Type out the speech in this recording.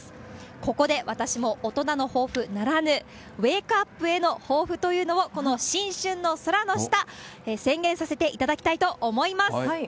ここで私も、大人のホウフナラヌ、ウェークアップへの抱負というのを、この新春の空の下、宣言させていただきたいと思います。